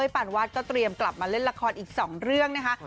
ปานวาดก็เตรียมกลับมาเล่นละครอีก๒เรื่องนะคะ